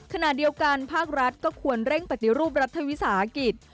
ขณะเดียวกันภาครัฐก็ควรเร่งปฏิรูปรัฐวิสาหกิจ